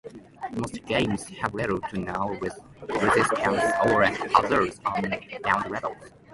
Most games have little to no resistance or hazards on bonus levels.